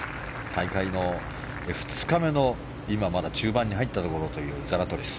大会の２日目の今、まだ中盤に入ったところのザラトリス。